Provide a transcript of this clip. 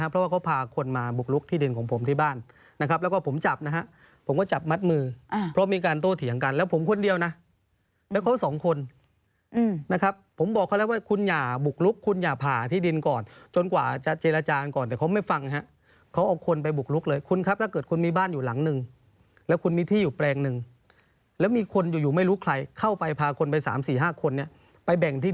เรื่องก็อย่างเงียบ